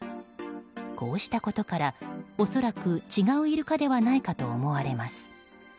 こうしたことから恐らく違うイルカではないかと思われます。